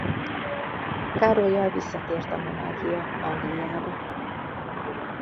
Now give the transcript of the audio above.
Károllyal visszatért a monarchia Angliába.